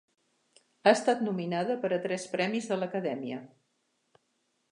Ha estat nominada per a tres premis de l'Acadèmia.